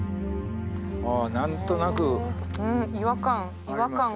あ何となく。